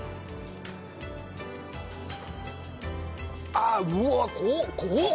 ああうわっ濃っ！